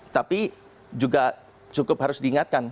tapi juga cukup harus diingatkan